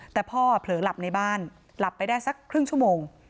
แต่พ่อเผลอหลับในบ้านหลับไปได้สักครึ่งชั่วโมง